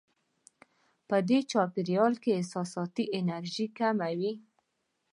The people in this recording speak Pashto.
په دې چاپېریال کې احساساتي انرژي کمه وي.